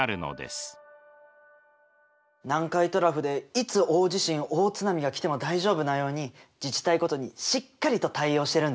南海トラフでいつ大地震大津波が来ても大丈夫なように自治体ごとにしっかりと対応してるんだね。